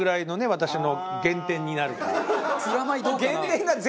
私の減点になるか。